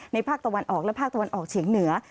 ภาคตะวันออกและภาคตะวันออกเฉียงเหนือ